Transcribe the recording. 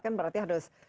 kan berarti harus